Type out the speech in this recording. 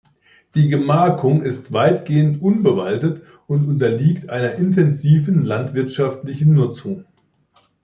Die Gemarkung ist weitgehend unbewaldet und unterliegt einer intensiven landwirtschaftlichen Nutzung.